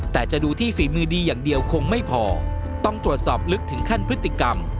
แต่จะดูที่ฝีมือดีอย่างเดียวคงไม่พอต้องตรวจสอบลึกถึงขั้นพฤติกรรม